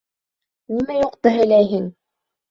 Нимә юҡты һөйләйһең?